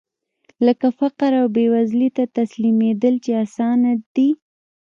لکه فقر او بېوزلۍ ته تسليمېدل چې اسانه دي.